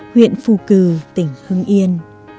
huyện phu cừ tỉnh hưng yên